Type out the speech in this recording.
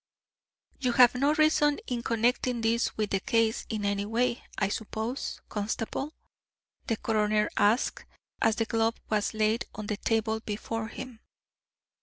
"You have no reason in connecting this with the case in any way, I suppose, constable?" the coroner asked as the glove was laid on the table before him.